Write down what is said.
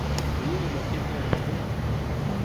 بھی نولکھیو کہن لگو